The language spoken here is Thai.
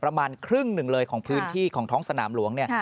ประมาณครึ่งหนึ่งเลยของพื้นที่ของท้องสนามหลวงเนี่ย